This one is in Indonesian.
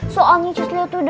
soalnya cicliah tuh udah